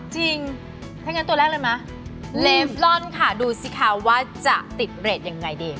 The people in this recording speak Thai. จริงถ้างั้นตัวแรกเลยไหมเลฟลอนค่ะดูสิคะว่าจะติดเรทยังไงดี